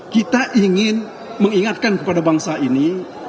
kita ingin mengingatkan kepada bangsa ini